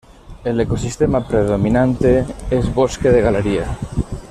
El ecosistema predominante es bosque de galería.